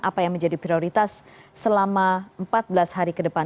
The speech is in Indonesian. apa yang menjadi prioritas selama empat belas hari ke depan